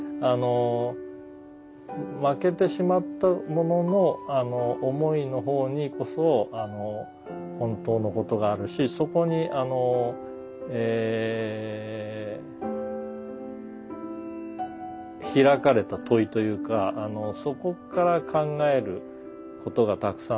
負けてしまった者の思いの方にこそ本当のことがあるしそこにあの開かれた問いというかそこから考えることがたくさんある。